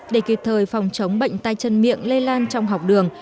để kịp thời phòng chống bệnh tay chân miệng lây lan trong học đường